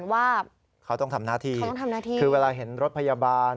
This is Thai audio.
ว่าเขาต้องทำหน้าที่คือเวลาเห็นรถพยาบาล